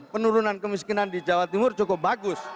penurunan kemiskinan di jawa timur cukup bagus